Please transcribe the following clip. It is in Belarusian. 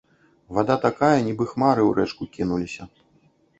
Вада такая, нібы хмары ў рэчку кінуліся.